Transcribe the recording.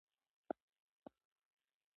د روغتیا ساتل د مور د ژوند یوه برخه ده.